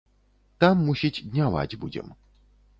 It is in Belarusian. Там, мусіць, дняваць будзем.